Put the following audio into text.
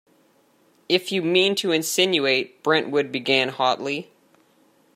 If you mean to insinuate -- Brentwood began hotly.